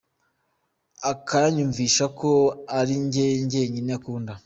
Akanyumvisha ko ari jye jyenyine akunda.